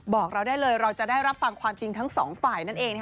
บอกเราได้เลยเราจะได้รับฟังความจริงทั้งสองฝ่ายนั่นเอง